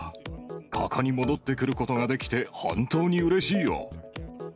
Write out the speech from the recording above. ここに戻ってくることができて、本当にうれしいよ。